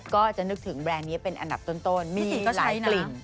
ก็จะนึกถึงแบรนด์นี้เป็นอันดับต้นมีอีกหลายกลิ่น